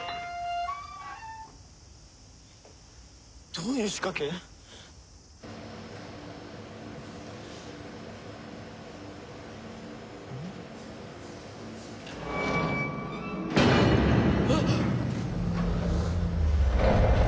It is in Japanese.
どういう仕掛け？ん？えっ！？